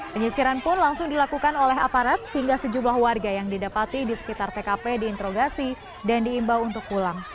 penyisiran pun langsung dilakukan oleh aparat hingga sejumlah warga yang didapati di sekitar tkp diinterogasi dan diimbau untuk pulang